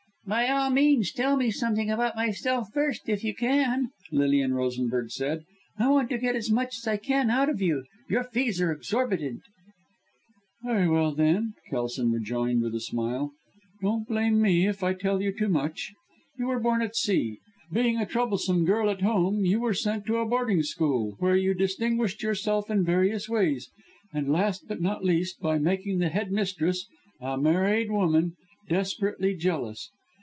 "By all means tell me something about myself first if you can," Lilian Rosenberg said. "I want to get as much as I can out of you. Your fees are exorbitant." "Very well, then," Kelson rejoined with a smile. "Don't blame me if I tell you too much. You were born at sea. Being a troublesome girl at home, you were sent to a boarding school, where you distinguished yourself in various ways, and last but not least, by making the headmistress a married woman desperately jealous.